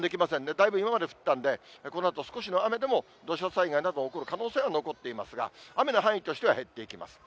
だいぶ今まで降ったんで、このあと少しの雨でも土砂災害など、起こる可能性が残っていますが、雨の範囲としては減っていきます。